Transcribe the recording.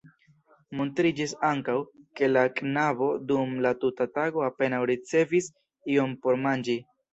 Montriĝis ankaŭ, ke la knabo dum la tuta tago apenaŭ ricevis ion por manĝi.